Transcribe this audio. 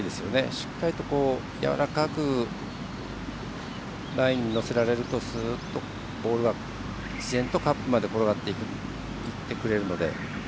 しっかりと、やわらかくラインに乗せられるとスーッとボールが自然とカップまで転がっていってくれるので。